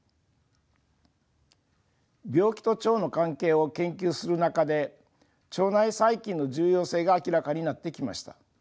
病気と腸の関係を研究する中で腸内細菌の重要性が明らかになってきました。